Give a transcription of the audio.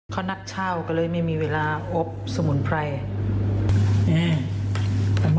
เขานัดเช่าก็เลยไม่มีเวลาอบสมุนไพร